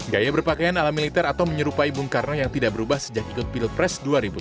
gaya berpakaian ala militer atau menyerupai bung karno yang tidak berubah sejak ikut pilpres dua ribu sembilan belas